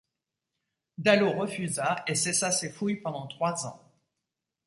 Daleau refusa et cessa ses fouilles pendant trois ans.